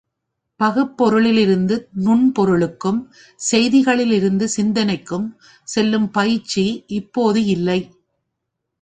பகுப்பொருளிலிருந்து நுண்பொருளுக்கும் செய்திகளிலிருந்து சிந்தனைக்கும் செல்லும் பயிற்சி இப்போது இல்லை.